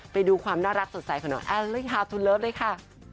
ไปดูความน่ารักสดใสของแอลลี่ฮาวทูลเลิฟด้วยค่ะ